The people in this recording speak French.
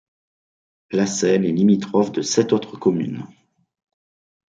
Lascelle est limitrophe de sept autres communes.